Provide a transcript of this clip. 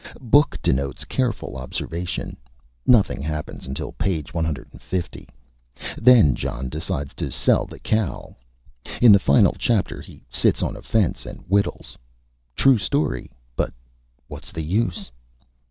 Book denotes careful Observation. Nothing happens until Page 150. Then John decides to sell the Cow. In the Final Chapter he sits on a Fence and Whittles. True Story, but What's the Use?